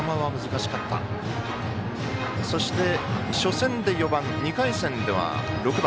そして、初戦で４番２回戦では６番。